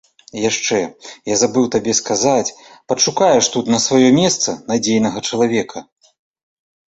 І яшчэ, я забыў табе сказаць, падшукаеш тут на сваё месца надзейнага чалавека.